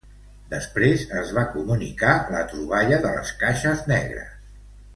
Després es va comunicar la troballa de les caixes negres.